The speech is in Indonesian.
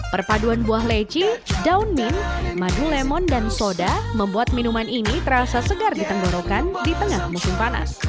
perpaduan buah leci daun min madu lemon dan soda membuat minuman ini terasa segar di tenggorokan di tengah musim panas